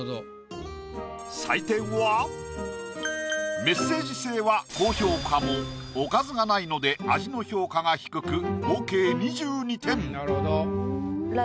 採点はメッセージ性は高評価もおかずが無いので味の評価が低く合計２２点。